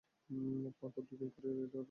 পরপর দুদিন করলেই এরা রাগ করবে।